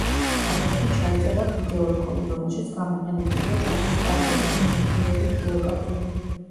აგრეთვე ჩაიწერა ვიდეორგოლი, რომელშიც გამოყენებულია ჯგუფის კარიერის მიმომხილველი ვიდეოკადრები.